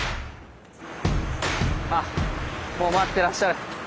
あっもう待ってらっしゃる。